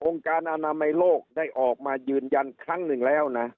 การอนามัยโลกได้ออกมายืนยันครั้งหนึ่งแล้วนะ